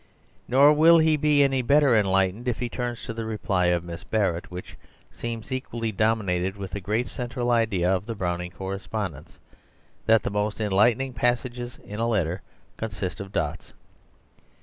Nor will he be any better enlightened if he turns to the reply of Miss Barrett, which seems equally dominated with the great central idea of the Browning correspondence that the most enlightening passages in a letter consist of dots.